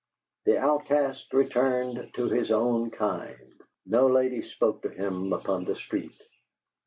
The outcast returned to his own kind. No lady spoke to him upon the street.